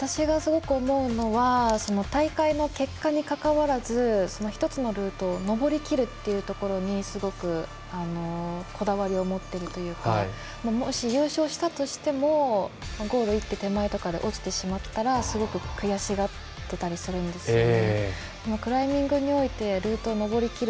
私がすごく思うのは大会の結果にかかわらず１つのルートを登り切るというところにすごく、こだわりを持っているというかもし優勝したとしても落ちてしまったら悔しがったりするんですね